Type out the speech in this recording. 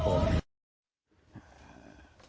ครับผม